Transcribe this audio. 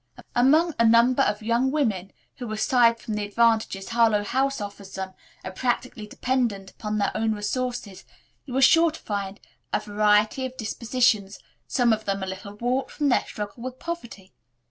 Among a number of young women who, aside from the advantages Harlowe House offers them, are practically dependent upon their own resources you are sure to find a variety of dispositions, some of them a little warped from their struggle with poverty.